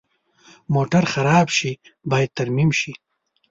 موټر خراب شي، باید ترمیم شي.